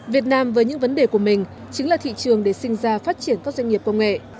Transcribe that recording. việt nam với những vấn đề của mình chính là thị trường để sinh ra phát triển các doanh nghiệp công nghệ